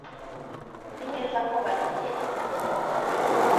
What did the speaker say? Nzi neza ko ybagiyei Tokiyo.